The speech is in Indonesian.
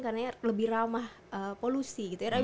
karena lebih ramah polusi gitu ya